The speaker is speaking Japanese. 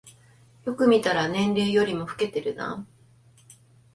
よく見たら年齢よりも老けてるな